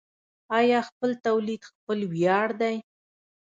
آیا خپل تولید خپل ویاړ دی؟